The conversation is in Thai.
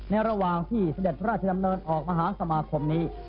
ระหว่างที่เสด็จพระราชดำเนินออกมหาสมาคมนี้